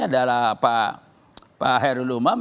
adalah pak heru lumam